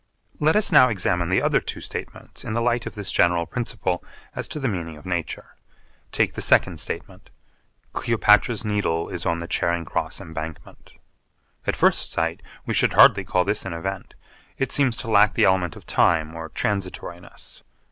Let us now examine the other two statements in the light of this general principle as to the meaning of nature. Take the second statement, 'Cleopatra's Needle is on the Charing Cross Embankment.' At first sight we should hardly call this an event. It seems to lack the element of time or transitoriness.